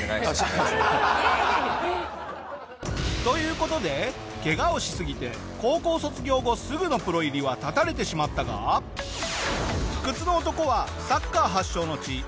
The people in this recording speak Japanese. という事でケガをしすぎて高校卒業後すぐのプロ入りは絶たれてしまったが不屈の男はサッカー発祥の地